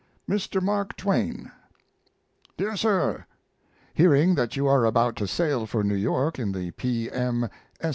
MR. MARK TWAIN DEAR SIR, Hearing that you are about to sail for New York in the P. M.